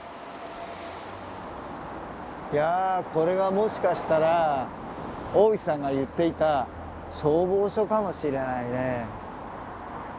いやこれがもしかしたら大内さんが言っていた消防署かもしれないね。